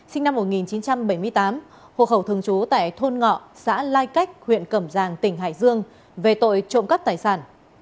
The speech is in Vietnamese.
sinh năm một nghìn chín trăm bảy mươi tám hộ khẩu thường trú tại thôn ngọ xã lai cách huyện cẩm giang tỉnh hải dương về tội trộm cắp tài sản